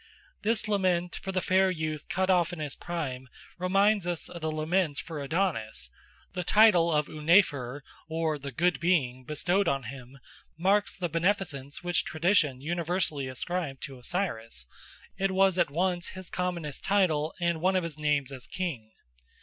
This lament for the fair youth cut off in his prime reminds us of the laments for Adonis. The title of Unnefer or "the Good Being" bestowed on him marks the beneficence which tradition universally ascribed to Osiris; it was at once his commonest title and one of his names as king.